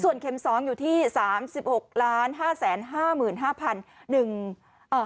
เข็มสองอยู่ที่สามสิบหกล้านห้าแสนห้าหมื่นห้าพันหนึ่งเอ่อ